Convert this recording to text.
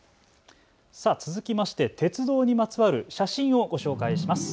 続きまして鉄道にまつわる写真をご紹介します。